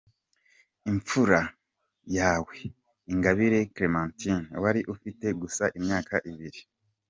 Infura yawe Ingabire Clementine wari ufite gusa imyaka ibiri